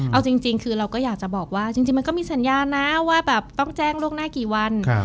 เอาจริงคือเราก็อยากจะบอกว่าจริงมันก็มีสัญญานะว่าแบบต้องแจ้งล่วงหน้ากี่วัน